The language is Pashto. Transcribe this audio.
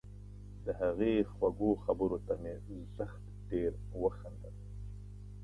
د هغې خوږو خبرو ته مې زښت ډېر وخندل